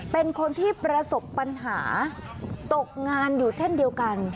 เป็นคนที่ประสบปัญหาตกงานอยู่เช่นเดียวกัน